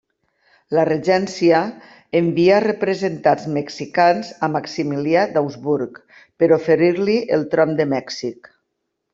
La Regència envià representants mexicans a Maximilià d'Habsburg per oferir-li el tron de Mèxic.